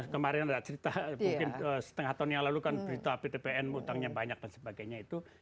kemarin ada cerita mungkin setengah tahun yang lalu kan berita ptpn utangnya banyak dan sebagainya itu